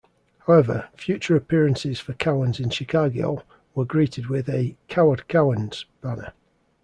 However, future appearances for Cowens in Chicago were greeted with a "Coward Cowens" banner.